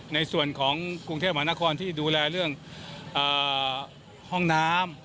ในส่วนของกรุงเทพมหานครที่ดูแลเรื่องห้องน้ำ